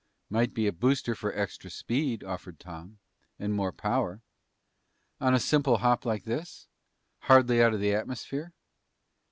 "Might be a booster for extra speed," offered Tom. "And more power." "On a simple hop like this? Hardly out of the atmosphere?"